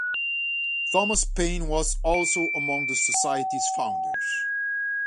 Thomas Paine was also among the Society's founders.